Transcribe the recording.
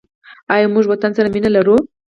آیا موږ وطن سره مینه لرو؟